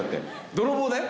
泥棒だよ。